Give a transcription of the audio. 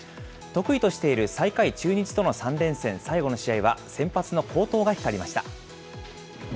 得意としている最下位、中日との３連戦最後の試合は先発の好投が光りました。